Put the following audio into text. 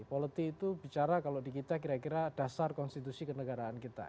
politik itu bicara kalau di kita kira kira dasar konstitusi kenegaraan kita